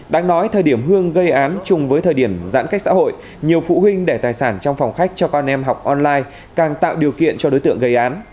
đáng nói thời điểm hương gây án chung với thời điểm giãn cách xã hội nhiều phụ huynh để tài sản trong phòng khách cho con em học online càng tạo điều kiện cho đối tượng gây án